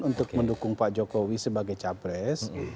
untuk mendukung pak jokowi sebagai capres